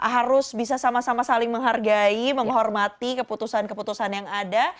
harus bisa sama sama saling menghargai menghormati keputusan keputusan yang ada